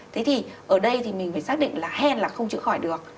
thế thì ở đây thì mình phải xác định là hen là không chữa khỏi được